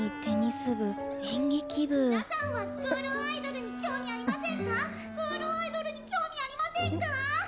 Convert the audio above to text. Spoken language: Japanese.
・スクールアイドルに興味ありませんか